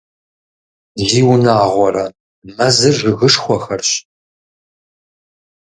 Зиунагъуэрэ, мэзыр жыгышхуэхэращ!